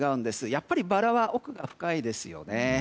やっぱりバラは奥が深いですよね。